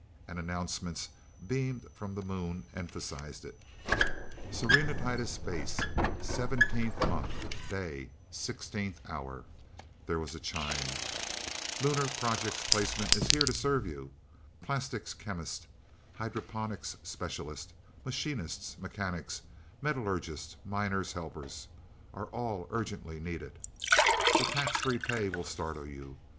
And announcements, beamed from the Moon, emphasized it: "Serenitatis Base, seventeenth month day, sixteenth hour. (There was a chime) Lunar Projects Placement is here to serve you. Plastics chemists, hydroponics specialists, machinists, mechanics, metallurgists, miners, helpers all are urgently needed. The tax free pay will startle you.